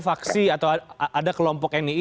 faksi atau ada kelompok nii